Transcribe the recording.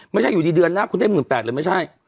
ไม่ใช่อยู่ดีเดือนหน้าคุณได้๑๘๐๐เลยไม่ใช่